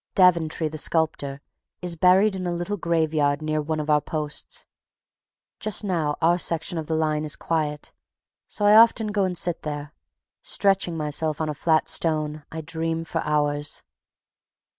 Daventry, the sculptor, is buried in a little graveyard near one of our posts. Just now our section of the line is quiet, so I often go and sit there. Stretching myself on a flat stone, I dream for hours.